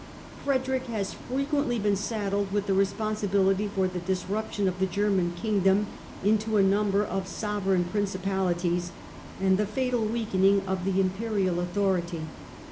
Frederick has frequently been saddled with the responsibility for the disruption of the German kingdom into a number of sovereign principali ties, and the fatal weakening of the Imperial authority.